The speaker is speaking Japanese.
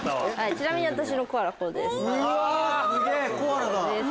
ちなみに私のコアラこうです。